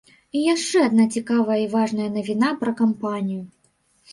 І яшчэ адна цікавая і важная навіна пра кампанію.